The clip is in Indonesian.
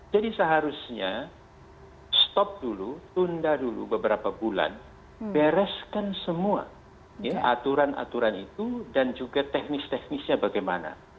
jadi seharusnya stop dulu tunda dulu beberapa bulan bereskan semua aturan aturan itu dan juga teknis teknisnya bagaimana